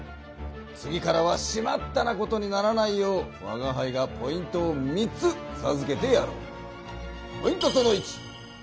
次からは「しまった！」なことにならないようわがはいがポイントを３つさずけてやろう。